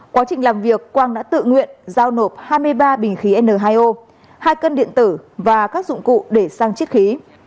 quá trình làm việc quang đã tự nguyện giao nộp hai mươi ba bình khí n hai o hai cân điện tử và các dụng cụ để sang chiết khí